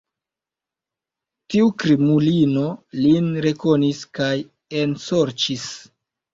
Tiu krimulino lin rekonis kaj ensorĉis.